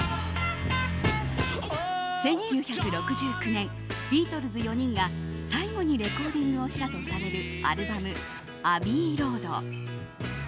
１９６９年、ビートルズ４人が最後にレコーディングをしたとされるアルバム「アビイ・ロード」。